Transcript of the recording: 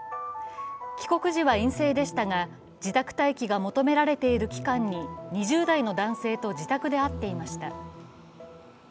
帰国時は陰性でしたが自宅待機が求められている期間に２０代の男性と自宅で会っていました。